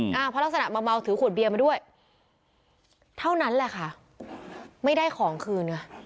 เพราะลักษณะเมาถือขวดเบียร์มาด้วยเท่านั้นแหละค่ะไม่ได้ของคืนไง